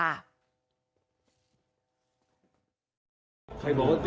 ใครบอกว่าติด